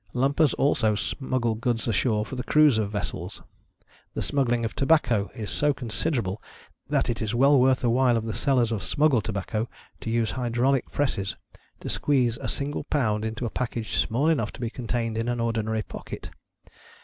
Lumpers also smuggle goods ashore for the crews of vessels. The smuggling of tobacco is so consi derable, that it is well worth the while of the sellers of smuggled tobacco to use hydraulic presses, to squeeze a single pound into a package small enough to be con tained iu an ordinary pocket.